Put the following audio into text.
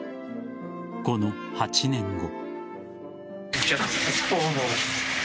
この８年後。